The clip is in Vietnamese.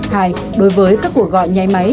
hai đối với các cuộc gọi nháy máy